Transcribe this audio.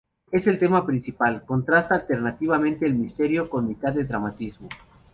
Es el tema principal, contrasta alternativamente el misterio con mitad de dramatismo.